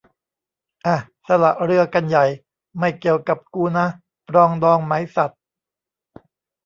อ่ะ สละเรือกันใหญ่ ไม่เกี่ยวกับกูนะ ปรองดองไหมสัส